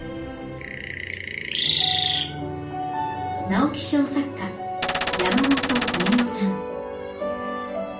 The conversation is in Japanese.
直木賞作家山本文緒さん。